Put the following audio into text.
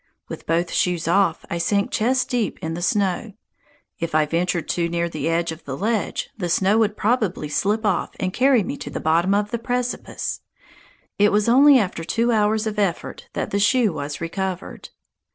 With both shoes off I sank chest deep in the snow; if I ventured too near the edge of the ledge, the snow would probably slip off and carry me to the bottom of the precipice. It was only after two hours of effort that the shoe was recovered.